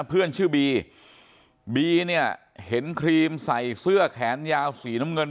เพื่อนชื่อบีบีเนี่ยเห็นครีมใส่เสื้อแขนยาวสีน้ำเงิน